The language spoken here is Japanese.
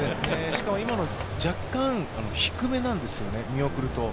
しかも、今のは若干低めなんですよね、見送ると。